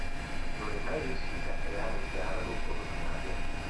Non è mai riuscita a creare un dialogo con Octavia.